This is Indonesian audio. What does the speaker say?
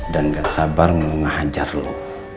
dan gak sabar ngehajar lo